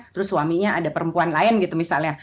terus suaminya ada perempuan lain gitu misalnya